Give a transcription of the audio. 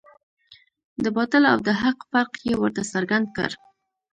د باطل او د حق فرق یې ورته څرګند کړ.